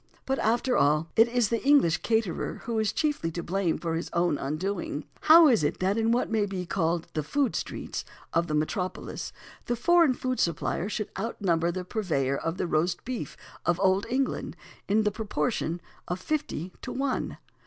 But after all it is the English caterer who is chiefly to blame for his own undoing. How is it that in what may be called the "food streets" of the metropolis the foreign food supplier should outnumber the purveyor of the Roast Beef of Old England in the proportion of fifty to one?